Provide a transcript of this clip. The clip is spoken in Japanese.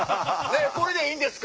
これでいいんですか？